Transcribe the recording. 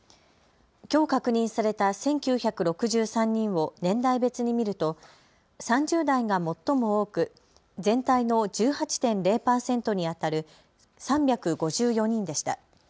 きょう確認された１９６３人を年代別に見ると３０代が最も多く全体の１８．０％にあたる３５４人でした。